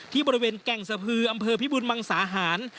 ที่บริเวณแก่งสะพืออำเภอพิบุญมังสาหาร